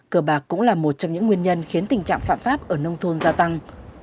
cờ bạc cũng là một trong những nguyên nhân khiến tình trạng phạm pháp ở nông thôn gia tăng